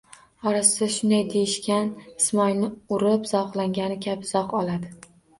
Orasira shunday deyishdan Ismoilni urib zavqlangani kabi zavq oladi.